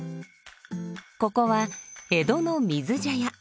ここは江戸の水茶屋